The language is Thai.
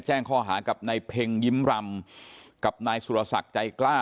แจ้งข้อหากับนายเพ็งยิ้มรำกับนายสุรศักดิ์ใจกล้า